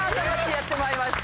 やってまいりました。